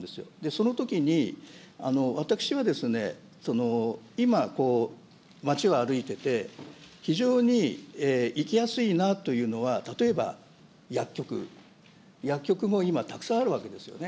そのときに、私は今、街を歩いてて、非常に行きやすいなというのは、例えば薬局、薬局も今、たくさんあるわけですよね。